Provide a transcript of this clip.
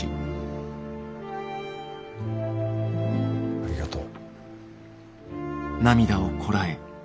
ありがとう。